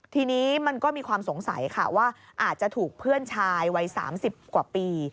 ทีนี้มันก็มีความสงสัยค่ะว่าอาจจะถูกเพื่อนชายวัย๓๐กว่าปี